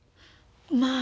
まあ。